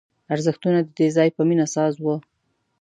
ارزښتونه د دې ځای په مینه ساز وو